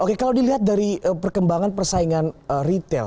oke kalau dilihat dari perkembangan persaingan retail